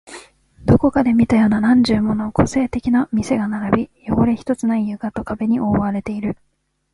どこかで見たような何十もの個性的な店が並び、汚れ一つない床と壁に覆われている